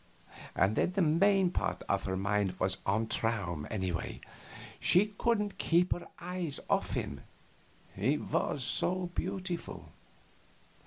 And then the main part of her mind was on Traum, anyway; she couldn't keep her eyes off him, he was so beautiful.